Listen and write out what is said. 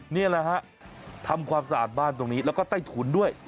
นี่แหละฮะทำความสะอาดบ้านตรงนี้แล้วก็ใต้ถุนด้วย